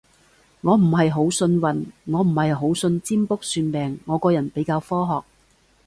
我唔係好信運，我唔係好信占卜算命，我個人比較科學